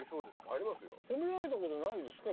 褒められたことないですか？